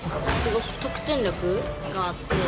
得点力があって。